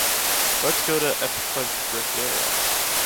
Let's go to Esparreguera.